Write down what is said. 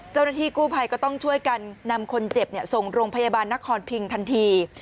เจ้าหน้าที่กู้ภัยก็ต้องช่วยกันนำคนเจ็บส่งโรงพยาบาลนครพิงทันที